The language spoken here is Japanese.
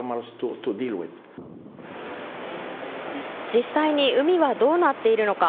実際に海はどうなっているのか。